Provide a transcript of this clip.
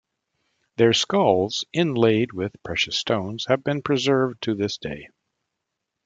Their skulls, inlaid with precious stones, have been preserved to this day.